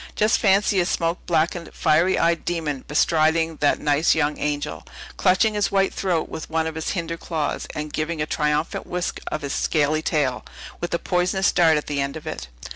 Just fancy a smoke blackened, fiery eyed demon bestriding that nice young angel, clutching his white throat with one of his hinder claws; and giving a triumphant whisk of his scaly tail, with a poisonous dart at the end of it!